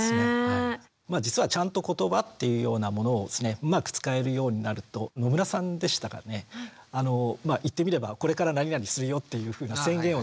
まあ実はちゃんと言葉っていうようなものをうまく使えるようになると野村さんでしたかね言ってみれば「これから何々するよ」っていうふうに宣言をする。